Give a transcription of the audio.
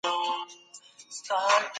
دغه د ښځو پر اعتبار باندي د انعقاد دليل دی.